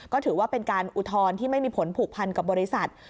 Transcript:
ก็ถือว่าเป็นการอุทธรณ์ที่ไม่มีผลผูกพันกับบริษัท